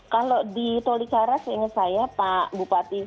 kalau di tolikara seingat saya pak bupati